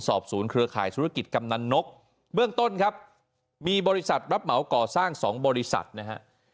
ศูนย์เครือข่ายธุรกิจกำนันนกเบื้องต้นครับมีบริษัทรับเหมาก่อสร้าง๒บริษัทนะฮะ